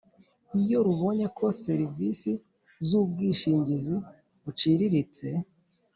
Iyo rubonye ko serivisi z ubwishingizi buciriritse